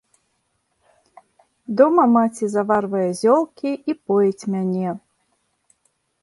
Дома маці заварвае зёлкі і поіць мяне.